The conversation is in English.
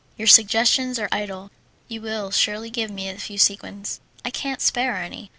"Your suggestions are idle; you will surely give me a few sequins." "I can't spare any."